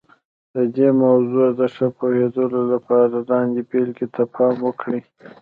د دې موضوع د ښه پوهېدلو لپاره لاندې بېلګې ته پام وکړئ.